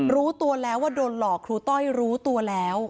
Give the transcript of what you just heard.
รู้ตัวแล้วว่าโดนหลอกครูต้อยรู้ตัวแล้ว